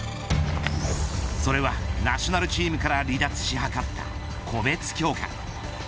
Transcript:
それはナショナルチームから離脱し、図った個別強化。